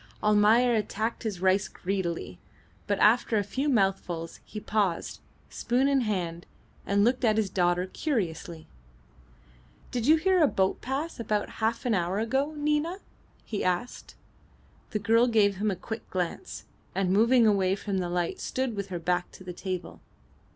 Almayer attacked his rice greedily, but after a few mouthfuls he paused, spoon in hand, and looked at his daughter curiously. "Did you hear a boat pass about half an hour ago Nina?" he asked. The girl gave him a quick glance, and moving away from the light stood with her back to the table.